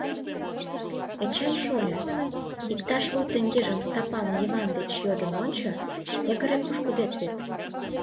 Эчан шольо, иктаж лу теҥгежым Стапан Йыван деч йодын ончо, йыгыре пошкудет вет.